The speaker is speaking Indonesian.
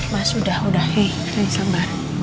mas udah udah hei sabar